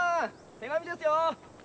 手紙ですよ！